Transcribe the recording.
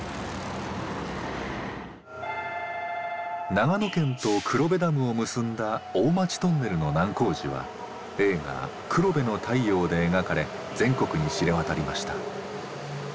長野県と黒部ダムを結んだ大町トンネルの難工事は映画「黒部の太陽」で描かれ全国に知れ渡りました。